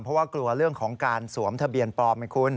เพราะว่ากลัวเรื่องของการสวมทะเบียนปลอมให้คุณ